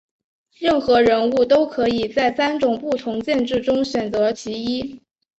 任何人物都可以在三种不同剑质中选择其一。